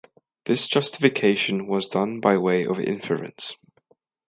This justification was done by way of inference.